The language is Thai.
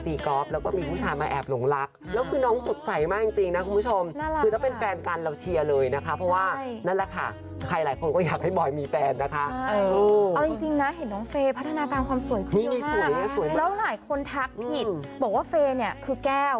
นี่มีสวยหน่อยมันก็สวยมากจริงขนาดนี้แล้วหลายคนทักผิดพูดว่าเฟย์คือแก้ว